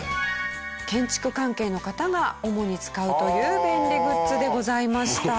建築関係の方が主に使うという便利グッズでございました。